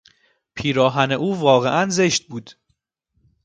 پیراهن او واقعا زشت بود.